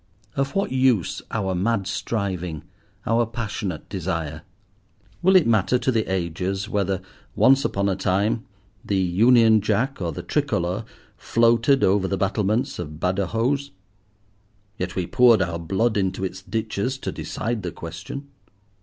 Of what use our mad striving, our passionate desire? Will it matter to the ages whether, once upon a time, the Union Jack or the Tricolour floated over the battlements of Badajoz? Yet we poured our blood into its ditches to decide the question.